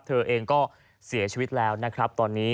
เธอเองก็เสียชีวิตแล้วนะครับตอนนี้